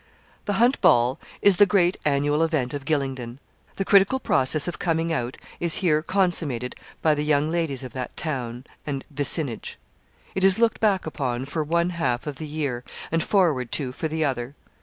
The Hunt Ball is the great annual event of Gylingden. The critical process of 'coming out' is here consummated by the young ladies of that town and vicinage. It is looked back upon for one half of the year, and forward to for the other.